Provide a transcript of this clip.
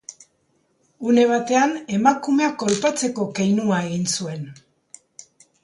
Une batean emakumea kolpatzeko keinua egin zuen.